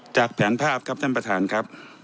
แผงภาพครับท่านประธานครับ